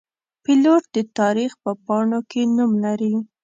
پیلوټ د تاریخ په پاڼو کې نوم لري.